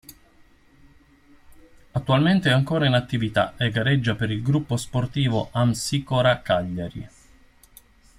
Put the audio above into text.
Attualmente è ancora in attività e gareggia per il Gruppo Sportivo Amsicora Cagliari.